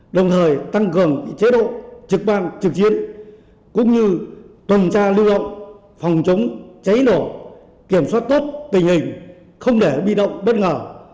đồng thời tăng cường chế độ trực ban trực chiến cũng như tuần tra lưu động phòng chống cháy nổ kiểm soát tốt tình hình không để bị động bất ngờ